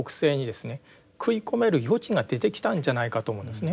食い込める余地が出てきたんじゃないかと思うんですね。